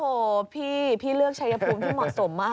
โอ้โหพี่เลือกชัยภูมิที่เหมาะสมมาก